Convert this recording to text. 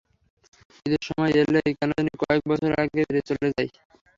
ঈদের সময় এলেই কেন জানি কয়েক বছর আগে ফিরে চলে যাই।